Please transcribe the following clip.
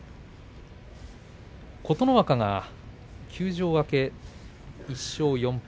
琴ノ若が休場明けで１勝４敗。